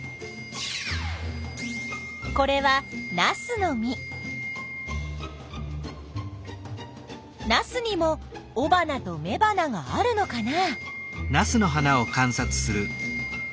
これはナスにもおばなとめばながあるのかな？